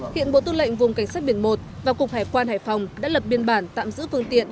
hiện bộ tư lệnh vùng cảnh sát biển một và cục hải quan hải phòng đã lập biên bản tạm giữ phương tiện